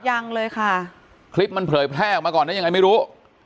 ยังเลยค่ะคลิปมันเผยแพร่ออกมาก่อนได้ยังไงไม่รู้